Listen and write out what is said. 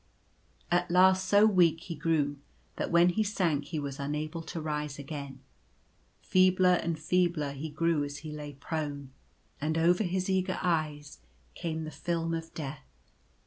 At last so weak he grew that when he sank he was unable to rise again. Feebler and feebler he grew as he lay prone ; and over his eager eyes came the film of death.